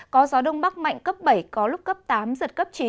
có gió đông bắc mạnh cấp bảy có lúc cấp tám giật cấp chín